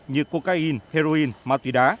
như cocaine heroin ma túy đá